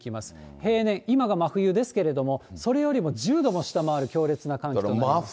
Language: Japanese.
平年、今が真冬ですけれども、それよりも１０度も下回る強烈な寒波となります。